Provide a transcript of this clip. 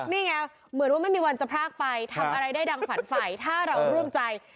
นี่ไงเหมือนว่าไม่มีวันจะพรากไปทำอะไรได้ดังฝันไฟถ้าเราร่วมใจ